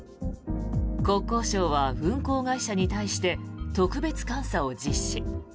国交省は運航会社に対して特別監査を実施。